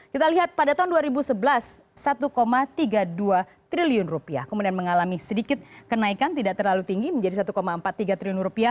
kita lihat pada tahun dua ribu sebelas satu tiga puluh dua triliun rupiah kemudian mengalami sedikit kenaikan tidak terlalu tinggi menjadi satu empat puluh tiga triliun rupiah